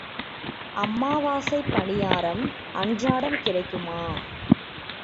அமாவாசைப் பணியாரம் அன்றாடம் கிடைக்குமா?